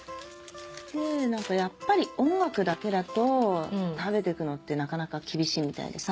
何かやっぱり音楽だけだと食べてくのってなかなか厳しいみたいでさ。